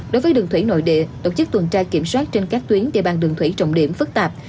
đối với đường thủy nội địa tổ chức tuần tra kiểm soát trên các tuyến địa bàn đường thủy trọng điểm phức tạp